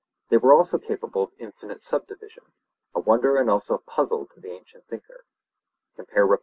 They were also capable of infinite subdivision—a wonder and also a puzzle to the ancient thinker (Rep.).